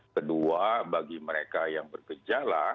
kedua bagi mereka yang bergejala